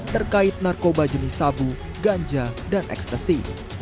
terkait narkoba jenis sabu ganja dan ekstasi